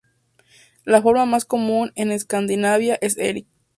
La forma más común en Escandinavia es Erik.